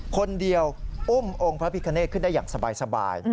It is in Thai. คนเดียวอุ้มองค์พระพิคเนตขึ้นได้อย่างสบาย